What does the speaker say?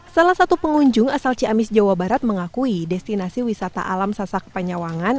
salah satu pengunjung asal ciamis jawa barat mengakui destinasi wisata alam sasak panyawangan